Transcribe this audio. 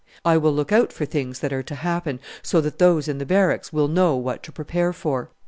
I will look out for things that are to happen, so that those in the Barracks will know what to prepare for.